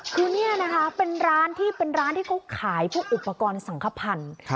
คือนี่นะคะเป็นร้านที่เขาขายพวกอุปกรณ์สังขพันธ์